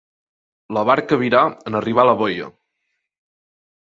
La barca virà en arribar a la boia.